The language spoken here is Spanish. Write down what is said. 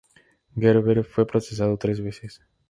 Gerber fue procesado tres veces.